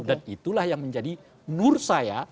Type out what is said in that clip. dan itulah yang menjadi nur saya